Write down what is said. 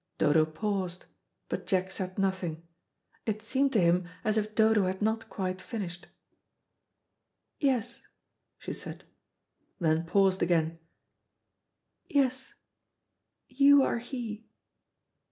Dodo paused; but Jack said nothing; it seemed to him as if Dodo had not quite finished. "Yes," she said; then paused again. "Yes, you are he."